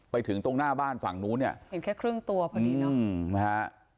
ไปถึงตรงหน้าบ้านฝั่งนู้นเนี่ยเห็นแค่ครึ่งตัวพอดีเนอะนะฮะ